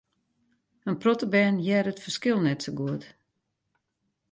In protte bern hearre it ferskil net sa goed.